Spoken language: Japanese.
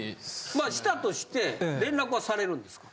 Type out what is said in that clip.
まあしたとして連絡はされるんですか？